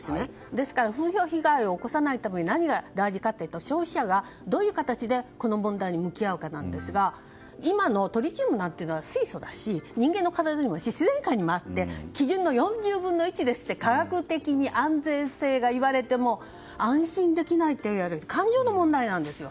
ですから風評被害を起こさないために何が大事かというと消費者がどういう形でこの問題に向き合うかなんですが今のトリチウムなんて水素だし人間の体にもあって自然界にもあって基準の４０分の１ですって科学的に安全性が言われても安心できないっていう感情の問題なんですよ。